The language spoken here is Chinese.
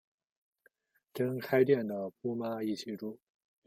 跟开店的姑妈一起住